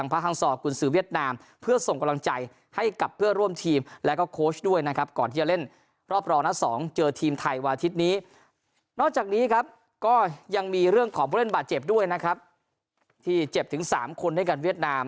ผมเล่นบัตรเจ็บด้วยนะครับที่เจ็บถึง๓คนด้วยเวียดนาม